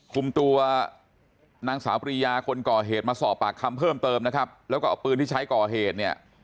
คุมตัวนางสาวปรียาคนก่อเหตุมาสอบปากคำเพิ่มเติมนะครับแล้วก็เอาปืนที่ใช้ก่อเหตุเนี่ย